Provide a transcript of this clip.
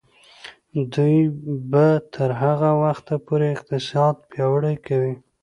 دوی به تر هغه وخته پورې اقتصاد پیاوړی کوي.